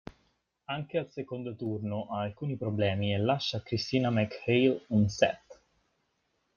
Anche al secondo turno ha alcuni problemi e lascia a Christina McHale un set.